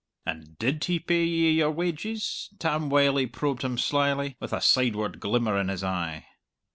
"And did he pay ye your wages?" Tam Wylie probed him slyly, with a sideward glimmer in his eye.